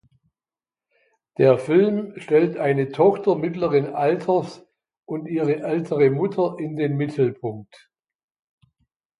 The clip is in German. Der Film stellt eine Tochter mittleren Alters und ihre ältere Mutter in den Mittelpunkt.